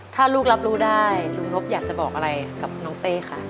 ถ้าลูกรับรู้ได้ลุงนบอยากจะบอกอะไรกับน้องเต้คะ